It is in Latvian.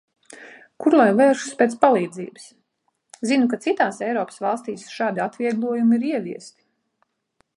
Kur lai vēršas pēc palīdzības. Zinu, ka citās Eiropas valstīs šādi atvieglojumi ir ieviesti.